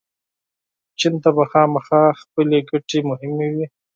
چین ته به خامخا خپلې ګټې مهمې وي.